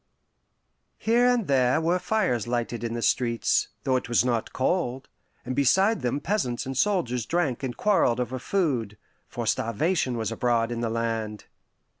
Here and there were fires lighted in the streets, though it was not cold, and beside them peasants and soldiers drank and quarreled over food for starvation was abroad in the land.